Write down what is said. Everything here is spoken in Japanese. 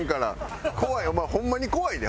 お前ホンマに怖いで。